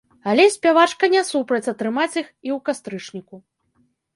Але спявачка не супраць атрымаць іх і ў кастрычніку.